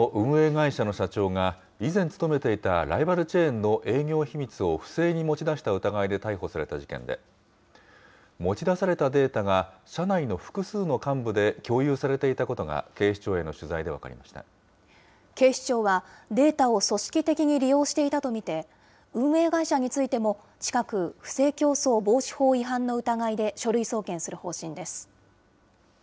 会社の社長が、以前勤めていたライバルチェーンの営業秘密を不正に持ち出した疑いで逮捕された事件で、持ち出されたデータが、社内の複数の幹部で共有されていたことが、警視庁への取材で分か警視庁は、データを組織的に利用していたと見て、運営会社についても近く、不正競争防止法違反の疑いで書類送検する方針です。